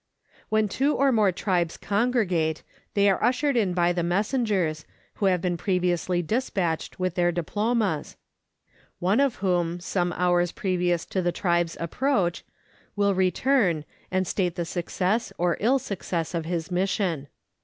When two or more tribes congregate, they are ushered in by the messengers, who had been previously despatched with their diplomas, 1 one of whom, some hours previous to the tribes' approach, will return, and state the success or ill success of his mission.